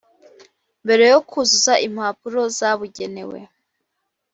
mbere yo kuzuza impapuro zabugenewe